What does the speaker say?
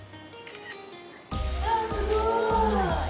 あっすごい。